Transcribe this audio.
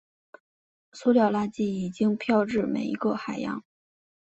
塑料垃圾已经飘至每一个海洋。